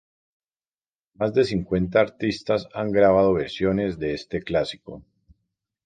Más de cincuenta artistas han grabado versiones de este clásico.